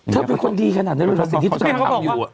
เธอเป็นคนดีขนาดนั้นแล้วรู้สึกที่ทุกคนทำอยู่